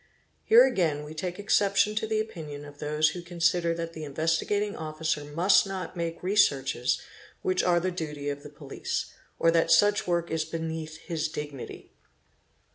Here again we take exception to the opinion of those who consider that the Investigating Officer must not make researches '' which are the duty of the police'', or that such work is beneath his dignity.